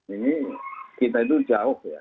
ini kita itu jauh ya